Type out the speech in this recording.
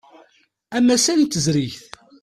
Amasal n teẓrigt.